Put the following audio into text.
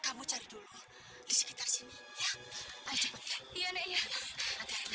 kamu tuh dimana sih adikku